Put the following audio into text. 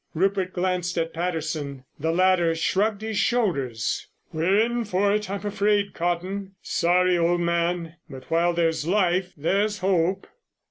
Rupert glanced at Patterson. The latter shrugged his shoulders. "We're in for it, I'm afraid, Cotton. Sorry, old man, but while there's life there's hope!"